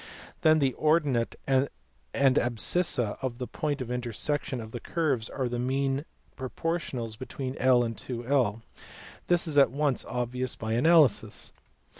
Then the ordinate and the abscissa of the point of intersection of these curves are the mean proportionals between I and 21. This is at once obvious by analysis.